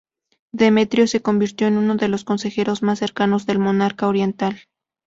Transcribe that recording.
Demetrio se convirtió en unos de los consejeros más cercanos del monarca oriental.